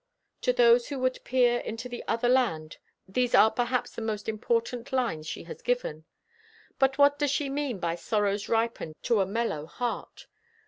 To those who would peer into the other land these are perhaps the most important lines she has given. But what does she mean by "sorrows ripened to a mellow heart?"